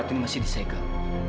surat ini masih di segel